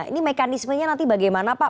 ini mekanismenya nanti bagaimana pak